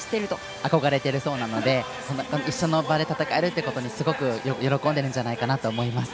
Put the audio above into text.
憧れてるそうなので一緒の場で戦えるということにすごく喜んでいるんじゃないかなと思います。